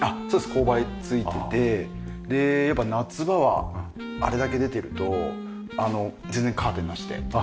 勾配ついててでやっぱ夏場はあれだけ出ていると全然カーテンなしで。